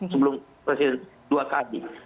sebelum presiden dua kali